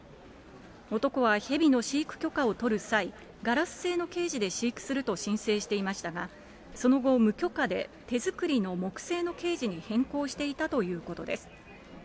男はヘビの飼育許可を取る際、ガラス製のケージで飼育すると申請していましたが、その後、無許可で、手作りの木製のケージに変更していたということです。